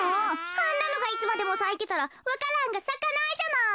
あんなのがいつまでもさいてたらわか蘭がさかないじゃない。